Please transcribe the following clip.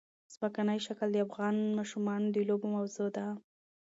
ځمکنی شکل د افغان ماشومانو د لوبو موضوع ده.